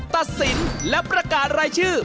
ตัดสินและประกาศรายชื่อ